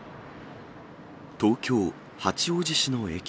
東京・八王子市の駅。